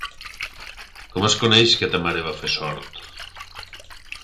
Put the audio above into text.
Com es coneix que ta mare va fer sort!